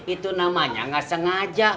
itu namanya nggak sengaja